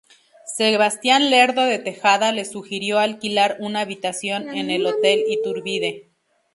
Sebastián Lerdo de Tejada le sugirió alquilar una habitación en el hotel Iturbide.